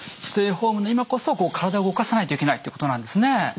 ステイホームの今こそ体を動かさないといけないってことなんですね。